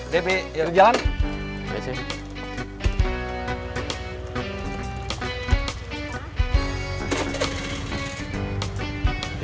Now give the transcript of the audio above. bebe yuk jalan